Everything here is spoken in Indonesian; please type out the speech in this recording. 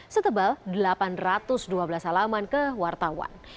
setebal delapan ratus dua belas halaman ke wartawan